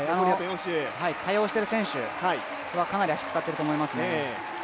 対応している選手はかなり足を使ってると思いますね。